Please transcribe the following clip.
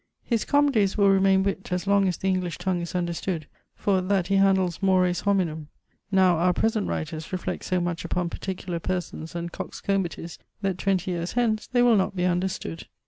His comoedies will remaine witt as long as the English tongue is understood, for that he handles mores hominum. Now our present writers reflect so much upon particular persons and coxcombeities, that twenty yeares hence they will not be understood.